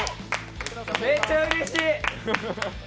めちゃうれしい。